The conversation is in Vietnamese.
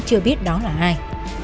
chưa biết đó là ai